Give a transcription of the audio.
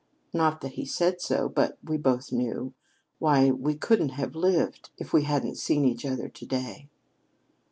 Not that he said so. But we both knew. Why, we couldn't have lived if we hadn't seen each other to day."